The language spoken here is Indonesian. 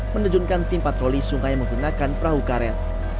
menerjunkan tim patroli sungai menggunakan perahu karet